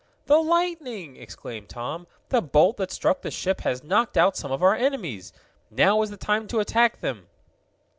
"The lightning!" exclaimed Tom. "The bolt that struck the ship has knocked out some of our enemies! Now is the time to attack them!"